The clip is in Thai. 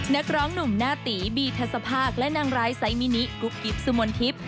นักร้องหนุ่มหน้าตีบีทัศภาคและนางร้ายไซมินิกุ๊บกิ๊บสุมนทิพย์